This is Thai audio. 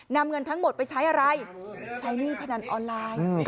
นำเงินทั้งหมดไปใช้อะไรใช้หนี้พนันออนไลน์